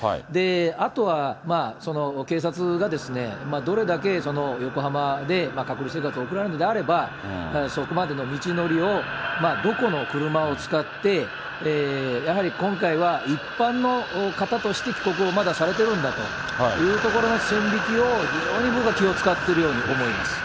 あとは警察がですね、どれだけ横浜で隔離生活を送られるのであれば、そこまでの道のりをどこの車を使って、やはり今回は一般の方として帰国をまだされてるんだというところの線引きを、非常に僕は気を遣っているように思います。